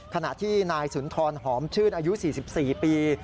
ขณะที่นายสุนทรหอมชื่นอายุ๔๔ปี